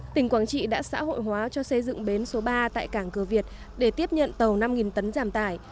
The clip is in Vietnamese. tỉnh quảng trị đã xã hội hóa cho xây dựng bến số ba tại cảng cơ việt để tiếp nhận tàu năm tấn giảm tải